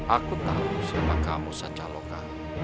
aku tahu siapa kamu sacaloka